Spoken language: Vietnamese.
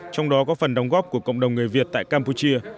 trong đó có phần đóng góp của cộng đồng người việt tại campuchia